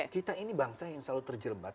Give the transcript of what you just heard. kita ini bangsa yang selalu terjerembat